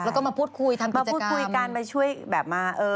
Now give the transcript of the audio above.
แล้วก็มาพูดคุยทำกิจกรรมมาพูดคุยกันมาช่วยแบบมา